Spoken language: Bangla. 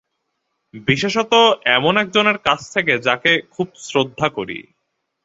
বিশেষত এমন একজনের কাছ থেকে, যাকে খুব শ্রদ্ধা করি।